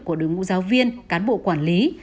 của đối ngũ giáo viên cán bộ quản lý